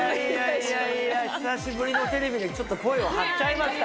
いやいやいやいや、久しぶりのテレビでちょっと声を張っちゃいました。